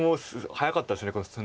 早かったです。